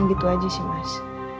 itu aja sih mas